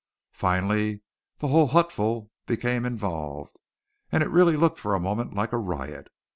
Finally the whole hutful became involved, and it really looked for a moment like a riot.